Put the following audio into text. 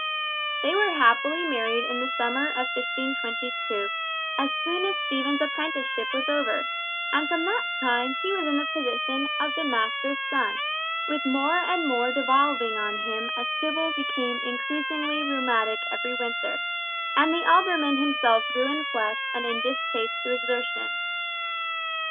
They were happily married in the summer of 1522, as soon as Stephen's apprenticeship was over; and from that time, he was in the position of the master's son, with more and more devolving on him as Tibble became increasingly rheumatic every winter, and the alderman himself grew in flesh and in distaste to exertion.